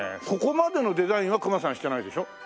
ここまでのデザインは隈さんしてないでしょ？